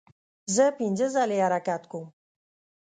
زه پنځه ځلې حرکت کوم.